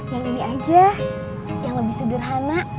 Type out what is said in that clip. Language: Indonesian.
yang ini aja yang lebih sederhana